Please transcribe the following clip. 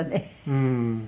うん。